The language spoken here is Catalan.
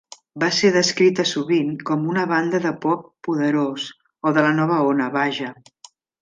Va ser descrita sovint com una banda de pop poderós o de la nova ona, Vaja!